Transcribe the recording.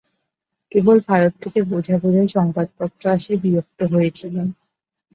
কেবল ভারত থেকে বোঝা বোঝা সংবাদপত্র আসায় বিরক্ত হয়েছিলাম।